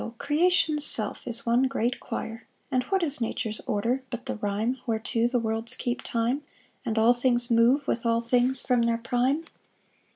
creation's self is one great choir, And what is Nature's order but the rhyme Whereto the worlds keep time, And all things move with all things from their prime?